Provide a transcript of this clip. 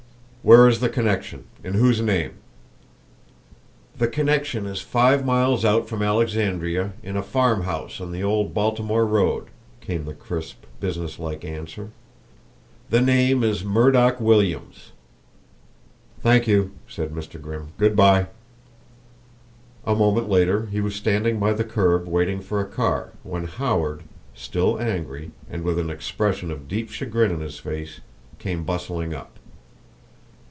"Where is the connection? In whose name?" "The connection is five miles out from Alexandria in a farm house on the old Baltimore Road," came the crisp, business like answer. "The name is Murdock Williams." "Thank you," said Mr. Grimm. "Good by." A moment later he was standing by the curb waiting for a car, when Howard, still angry, and with an expression of deep chagrin on his face, came bustling up.